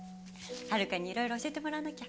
ハルカにいろいろ教えてもらわなきゃ。